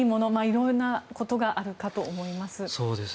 色々なことがあるかと思います。